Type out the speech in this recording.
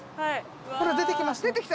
ほら出てきました。